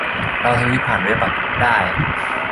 เราทวีตผ่านเว็บอ่ะ ได้